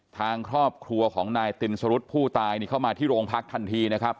ทางครอบครัวของนายตินสรุธผู้ตายนี่เข้ามาที่โรงพักทันทีนะครับ